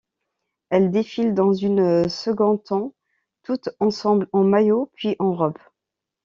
Elles défilent dans une second temps toutes ensembles en maillots, puis, en robes.